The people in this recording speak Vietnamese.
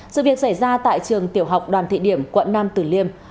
sự việc xảy ra tại trường tiểu học đoàn thị điểm quận nam tử liêm